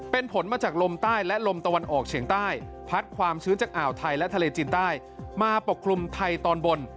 เป็นผลมาจากลมใต้และลมตะวันออกเฉียงใต้พัดความชื้นจากอ่าวไทยและทะเลจีนใต้มาปกคลุมไทยตอนบน